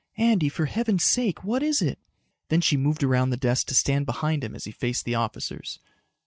"Andy, for heaven's sake, what is it?" Then she moved around the desk to stand behind him as he faced the officers.